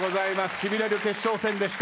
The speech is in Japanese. しびれる決勝戦でした。